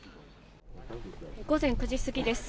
午前９時過ぎです。